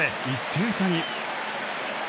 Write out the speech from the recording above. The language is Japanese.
１点差に。